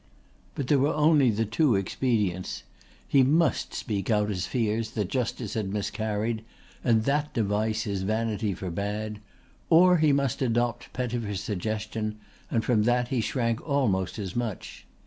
But there were only the two expedients. He must speak out his fears that justice had miscarried, and that device his vanity forbade; or he must adopt Pettifer's suggestion, and from that he shrank almost as much.